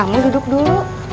kamu duduk dulu